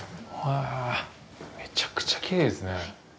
へぇぇ、めちゃくちゃきれいですね。